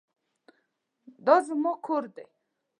دا زما کور دی.